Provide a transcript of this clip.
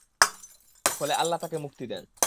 ফলে আল্লাহ তাকে মুক্তি দেন।